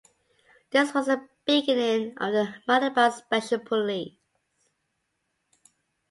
This was the beginning of the Malabar Special Police.